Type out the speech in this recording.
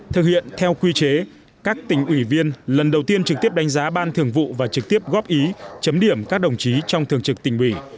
thực hiện theo quy chế các tỉnh ủy viên lần đầu tiên trực tiếp đánh giá ban thường vụ và trực tiếp góp ý chấm điểm các đồng chí trong thường trực tỉnh ủy